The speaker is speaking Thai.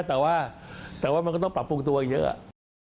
แต่ว่าแต่ว่ามันก็ต้องปรับปรุงตัวเยอะ